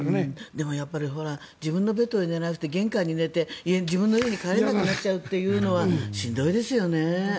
でも自分のベッドで寝れなくて玄関で寝て自分の家に帰れなくなるのはしんどいですよね。